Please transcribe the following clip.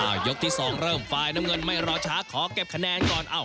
ยกที่สองเริ่มไฟล์น้ำเงินไม่รอช้าขอเก็บคะแนนก่อนเอ้า